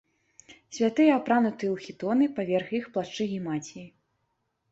Святыя апрануты ў хітоны, паверх іх плашчы-гімаціі.